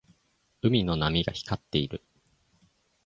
海の波が光っている。